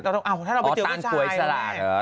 อ๋อว้าวถ้าเราไปเจอกับผู้ชาย